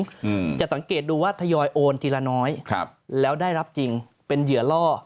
อืมจะสังเกตดูว่าทยอยโอนทีละน้อยครับแล้วได้รับจริงเป็นเหยื่อล่อ